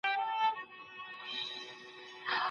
غښتلي خلک حل لاره لټوي.